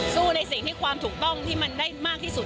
ในสิ่งที่ความถูกต้องที่มันได้มากที่สุด